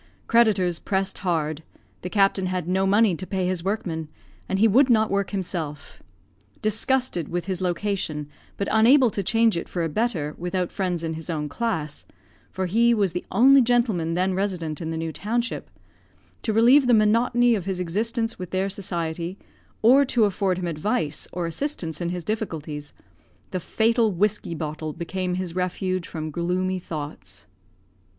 Creditors pressed hard; the captain had no money to pay his workmen, and he would not work himself. Disgusted with his location, but unable to change it for a better; without friends in his own class (for he was the only gentleman then resident in the new township), to relieve the monotony of his existence with their society, or to afford him advice or assistance in his difficulties, the fatal whiskey bottle became his refuge from gloomy thoughts.